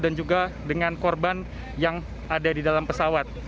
dan juga dengan korban yang ada di dalam pesawat